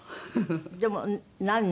でも何年？